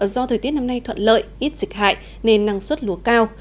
do thời tiết năm nay thuận lợi ít dịch hại nên năng suất lúa cao